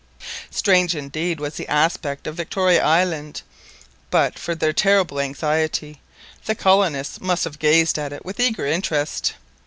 Strange indeed was the aspect of Victoria Island. But for their terrible anxiety, the colonists must have gazed at it with eager interest.